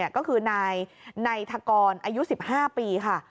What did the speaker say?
ก็คือนายนายทะกรอายุ๑๕ปี